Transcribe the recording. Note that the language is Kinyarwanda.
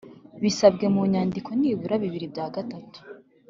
bisabwe mu nyandiko nibura na bibiri bya gatatu